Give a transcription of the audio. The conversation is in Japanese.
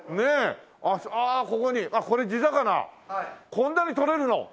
こんなにとれるの？